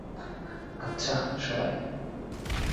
আচ্ছা, সবাই।